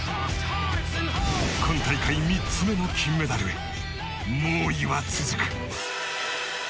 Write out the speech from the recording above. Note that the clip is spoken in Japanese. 今大会３つ目の金メダルへ猛威は続く。